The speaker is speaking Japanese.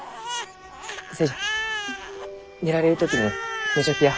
寿恵ちゃん寝られる時に寝ちょってや。